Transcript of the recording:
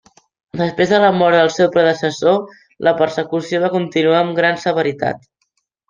Després de la mort del seu predecessor, la persecució va continuar amb gran severitat.